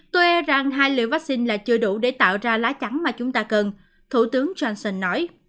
tôi e rằng hai liều vaccine là chưa đủ để tạo ra lá chắn mà chúng ta cần thủ tướng johnson nói